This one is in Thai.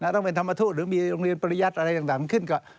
ต้องเป็นธรรมทูตหรือมีโรงเรียนปริยัติอะไรต่างขึ้นก็